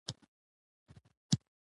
د ټولنیزو رسنیو استعمال په اندازه وساتئ.